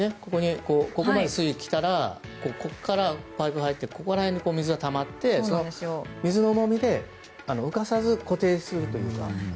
ここまで水位が来たらここからパイプが入ってここら辺に水がたまってその水の重みで浮かさず、固定するというか。